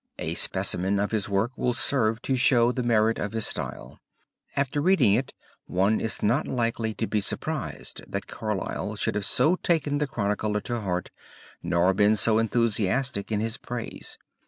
A specimen of his work will serve to show the merit of his style. After reading it one is not likely to be surprised that Carlyle should have so taken the Chronicler to heart nor been so enthusiastic in his praise.